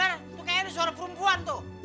kayaknya ada surat perempuan tuh